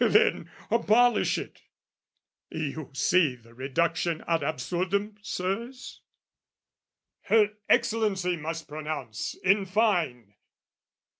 Then abolish it! You see the reduction ad absurdum, Sirs? Her Excellency must pronounce, in fine!